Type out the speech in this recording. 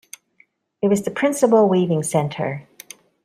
It was the principal weaving centre.